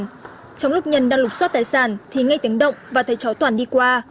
trong lúc nhân đang lục xót tài sản thì ngay tiếng động và thấy chó toàn đi qua